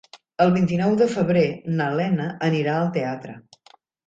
El vint-i-nou de febrer na Lena anirà al teatre.